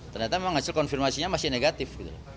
ternyata memang hasil konfirmasinya masih negatif